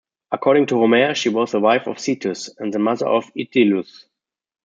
According to Homer she was the wife of Zethus, and the mother of Itylus.